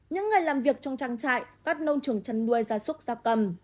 những người làm việc trong trang trại các nông trường chăn nuôi ra súc ra cầm